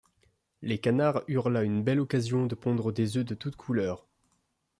Les canards eurent là une belle occasion de pondre des œufs de toute couleur.